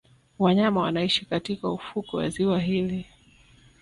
Wanyama wanaishi katika ufukwe wa ziwa hili